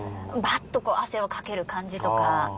っとこう汗をかける感じとか。